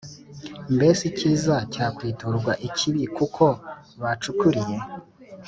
Mbese icyiza cyakwiturwa ikibi Kuko bacukuriye